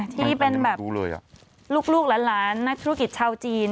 ที่เป็นแบบลูกหลานนักธุรกิจชาวจีน